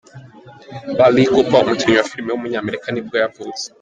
Bradley Cooper, umukinnyi wa filime w’umunyamerika nibwo yavutse.